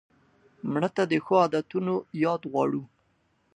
مړه ته د ښو عادتونو یاد غواړو